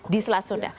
di selat sunda